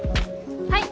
はい。